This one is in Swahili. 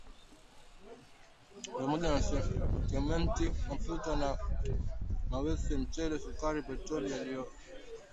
ni pamoja na Simenti, mafuta ya mawese, mchele, sukari, petroli iliyosafishwa, bidhaa zilizopikwa, vipodozi na vifaa vya chuma